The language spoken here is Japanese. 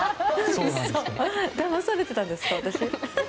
だまされてたんですか私。